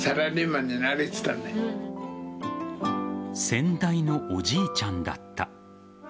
先代のおじいちゃんだった。